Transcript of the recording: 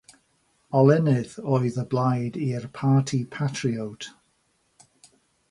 Olynydd oedd y blaid i'r "Parti patriote".